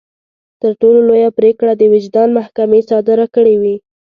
تر ټولو لويه پرېکړه د وجدان محکمې صادره کړې وي.